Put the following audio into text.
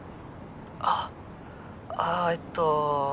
あっああえっと